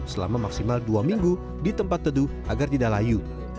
selama maksimal dua minggu di tempat teduh agar tidak layu